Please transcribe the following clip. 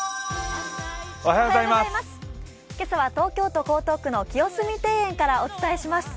今朝は東京都江東区の清澄庭園からお伝えします。